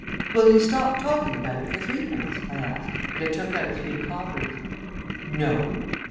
"Will you stop talking about it for threepence?" I asked, and I took out three coppers. "No."